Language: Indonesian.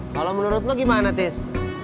kalau menurut lo gimana tis